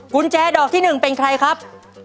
กุญแจดอกที่๑เป็นใครครับ